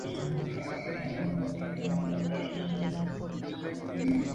De esta manera de la construcción original sólo queda la Capilla del Sagrario.